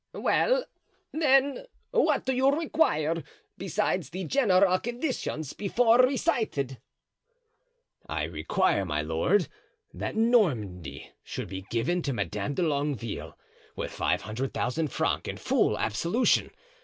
"Well, then, what do you require besides the general conditions before recited?" "I require, my lord, that Normandy should be given to Madame de Longueville, with five hundred thousand francs and full absolution.